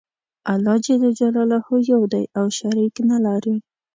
الله ج یو دی او شریک نلری.